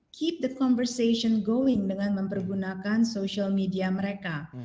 keep the conversation going dengan mempergunakan social media mereka